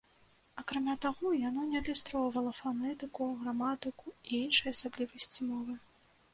Акрамя таго, яно не адлюстроўвала фанетыку, граматыку і іншыя асаблівасці мовы.